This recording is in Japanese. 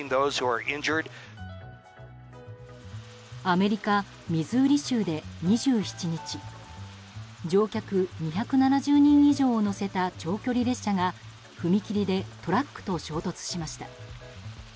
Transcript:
アメリカ・ミズーリ州で２７日乗客２７０人以上を乗せた長距離列車が踏切でトラックと衝突しました。